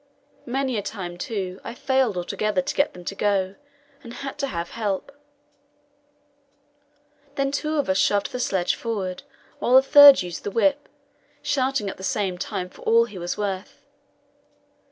Many a time, too, I failed altogether to get them to go, and had to have help. Then two of us shoved the sledge forward, while the third used the whip, shouting at the same time for all he was worth.